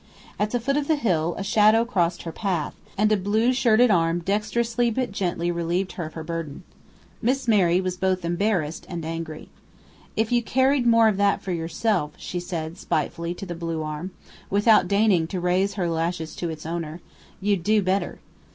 At the foot of the hill a shadow crossed her path, and a blue shirted arm dexterously but gently relieved her of her burden. Miss Mary was both embarrassed and angry. "If you carried more of that for yourself," she said, spitefully, to the blue arm, without deigning to raise her lashes to its owner, "you'd do better."